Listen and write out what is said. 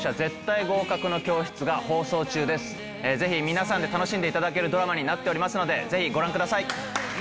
皆さんで楽しんでいただけるドラマになっておりますのでぜひご覧ください。